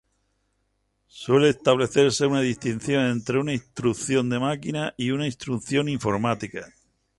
Suele establecerse una distinción entre una instrucción de máquina y una "instrucción informática".